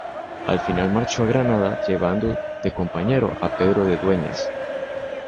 Al final marchó a Granada llevando de compañero a Pedro de Dueñas.